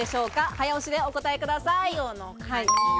早押しでお答えください。